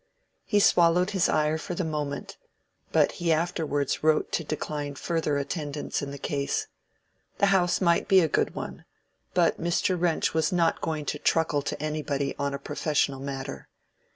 He swallowed his ire for the moment, but he afterwards wrote to decline further attendance in the case. The house might be a good one, but Mr. Wrench was not going to truckle to anybody on a professional matter.